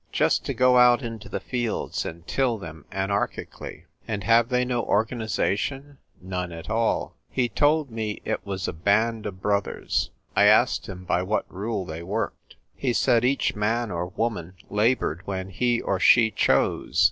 Just to go out into the fields and till them anarchically ! "And have they no organisation ?"" None at all. He told me it was a band of brothers. I asked him by what rule they worked. He said each man or woman laboured when he or she chose